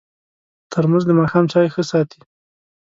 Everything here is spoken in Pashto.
ترموز د ماښام چای ښه ساتي.